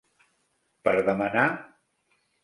Per demanar.?